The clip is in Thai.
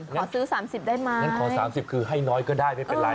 ขอซื้อ๓๐ได้ไหมงั้นขอ๓๐คือให้น้อยก็ได้ไม่เป็นไร